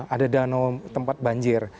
ada danau tempat banjir